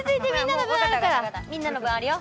みんなの分あるよ。